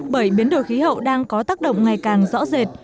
bởi biến đổi khí hậu đang có tác động ngày càng rõ rệt